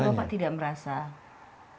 tapi bapak tidak merasa ada